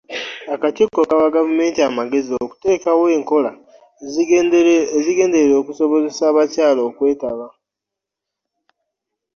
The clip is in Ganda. Akakiiko kawa gavumenti amagezi okuteekawo enkola ezigenderera okusobozesa abakyala okwetaba.